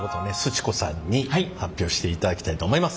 ち子さんに発表していただきたいと思います。